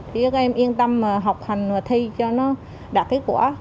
thì các em yên tâm mà học hành và thi cho nó đạt kết quả